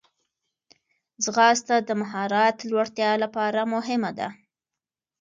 ځغاسته د مهارت لوړتیا لپاره مهمه ده